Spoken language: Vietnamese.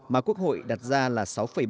mà quốc hội đặt ra là sáu bảy